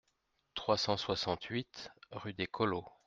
trois cent soixante-huit rue des Collots